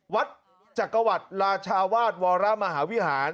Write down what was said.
วัดจักรวรรดิราชาวาสวรมหาวิหาร